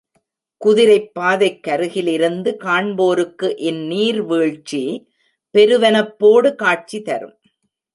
குதிரைப் பாதைக்கருகிலிருந்து காண்போருக்கு இந்நீர்வீழ்ச்சி பெருவனப்போடு காட்சி தரும்.